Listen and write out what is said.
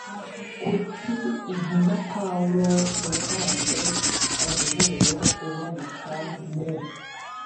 kuki intumwa pawulo yatanze umuburo uboneka mu